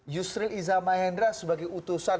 yusril iza mahendra sebagai utusan